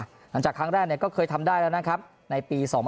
หลังจากครั้งแรกก็เคยทำได้แล้วนะครับในปี๒๕๖